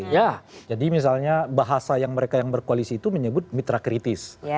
ya jadi misalnya bahasa yang mereka yang berkoalisi itu menyebut mitra kritis